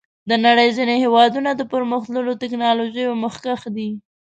د نړۍ ځینې هېوادونه د پرمختللو ټکنالوژیو مخکښ دي.